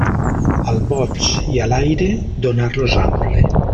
Al boig i a l'aire, donar-los ample.